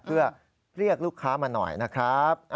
เพื่อเรียกลูกค้ามาหน่อยนะครับ